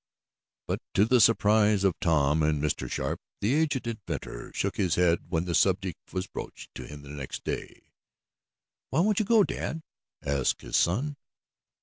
But, to the surprise of Tom and Mr. Sharp, the aged inventor shook his head when the subject was broached to him next day. "Why won't you go, dad?" asked his son.